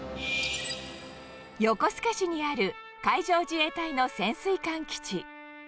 横須賀市にある海上自衛隊の潜水艦基地。